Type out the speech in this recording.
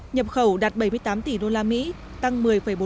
nhập khẩu đạt bảy mươi tám tỷ usd tăng một mươi bốn